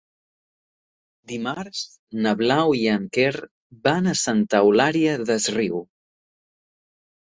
Dimarts na Blau i en Quer van a Santa Eulària des Riu.